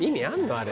あれ。